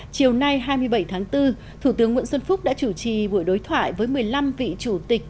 chiều nay hai mươi bảy tháng bốn thủ tướng nguyễn xuân phúc đã chủ trì buổi đối thoại với một mươi năm vị chủ tịch